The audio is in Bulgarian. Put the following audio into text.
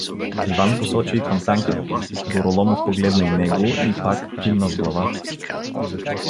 Иван посочи и към Танка, Гороломов погледна и него и пак кимна с глава.